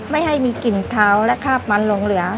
ไม่ให้มีกลิ่นขาวและคาบมันหลงเหลือ